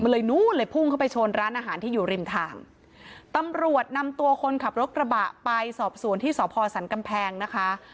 เลยนู้นเลยพุ่งเข้าไปชนร้านอาหารที่อยู่ริมทางตำรวจนำตัวคนขับรถกระบะไปสอบสวนที่สพสันกำแพงนะคะ